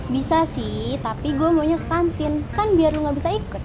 bisa sih tapi gue maunya kantin kan biar lu gak bisa ikut